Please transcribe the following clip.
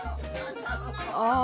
ああ。